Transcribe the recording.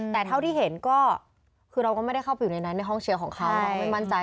แต่เท่าที่เห็นก็คือเราก็ไม่ได้เข้าไปอยู่ในนั้นในห้องเชียร์ของเขาไม่มั่นใจ